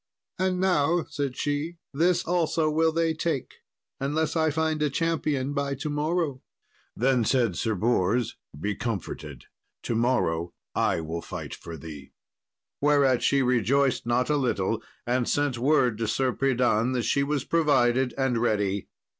"And now," said she, "this also will they take, unless I find a champion by to morrow." Then said Sir Bors, "Be comforted; to morrow I will fight for thee;" whereat she rejoiced not a little, and sent word to Sir Pridan that she was provided and ready.